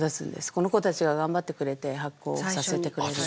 この子たちが頑張ってくれて発酵させてくれるんです。